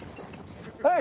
はい。